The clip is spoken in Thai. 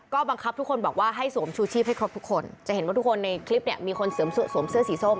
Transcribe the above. ก็บังคับทุกคนบอกว่าให้สวมชูชีพให้ครบทุกคนจะเห็นว่าทุกคนในคลิปเนี่ยมีคนสวมเสื้อสีส้ม